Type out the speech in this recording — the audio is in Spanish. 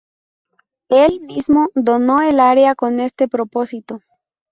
Él mismo donó el área con ese propósito.